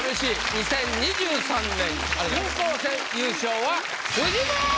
２０２３年春光戦優勝はフジモン！